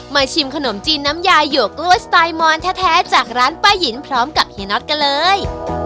ชิมขนมจีนน้ำยาหยวกล้วยสไตลมอนแท้จากร้านป้ายินพร้อมกับเฮียน็อตกันเลย